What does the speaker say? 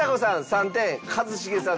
３点一茂さん